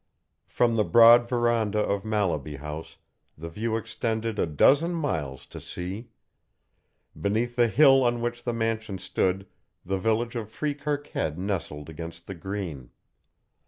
From the broad veranda of Mallaby House the view extended a dozen miles to sea. Beneath the hill on which the mansion stood the village of Freekirk Head nestled against the green.